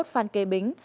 phan kê bính